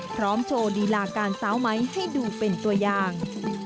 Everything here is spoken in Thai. พร้อมโชว์ลีลาการสาวไม้ให้ดูเป็นตัวอย่าง